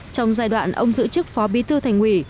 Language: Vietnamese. trong giai đoạn ông giữ chức phó bí tư thành quỷ